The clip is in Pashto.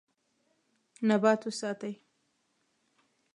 نبات وساتئ.